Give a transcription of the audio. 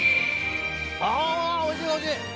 あぁおいしいおいしい。